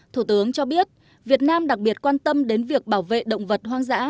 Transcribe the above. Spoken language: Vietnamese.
thủ tướng cho biết việt nam đặc biệt quan tâm đến việc bảo vệ động vật hoang dã